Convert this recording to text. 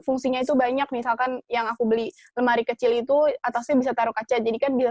fungsinya itu banyak misalkan yang aku beli lemari kecil itu atasnya bisa taruh kaca jadikan bila